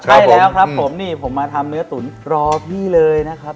ใช่แล้วครับผมผมเนี่ยคิดว่าเราจะมาทำเนื้อตูนคุณถูกรอพี่เลยนะครับ